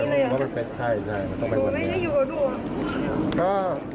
เอาไปวันนี้เลยหรือใช่ใช่มันต้องไปวันนี้อยู่กับดูอ่ะ